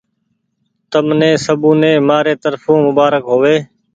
تمني سبوني مآري ترڦو مبآرڪ هووي۔